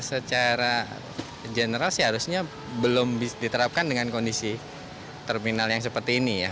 secara general sih harusnya belum diterapkan dengan kondisi terminal yang seperti ini ya